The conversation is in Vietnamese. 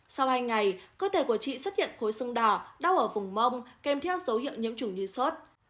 sau hai ngày cơ thể của chị xuất hiện khối sưng đỏ đau ở vùng mông kèm theo dấu hiệu nhiễm chủng như sốt